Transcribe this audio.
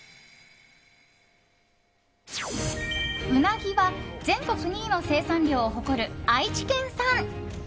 ウナギは全国２位の生産量を誇る愛知県産。